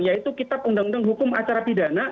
yaitu kitab undang undang hukum acara pidana